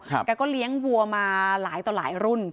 แกก็เลี้ยงวัวมาหลายต่อหลายรุ่น